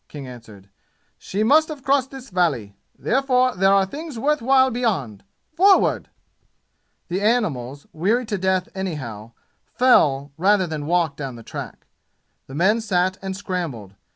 King answered. "She must have crossed this valley. Therefore there are things worth while beyond! Forward!" The animals, weary to death anyhow, fell rather that walked down the track. The men sat and scrambled.